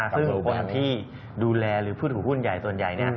ซึ่งคนที่ดูแลหรือพูดถึงหุ้นใหญ่ส่วนใหญ่